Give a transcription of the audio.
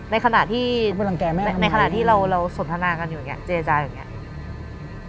ในขณะที่เราสนทนากันอยู่อย่างนี้เจยาาอย่างนี้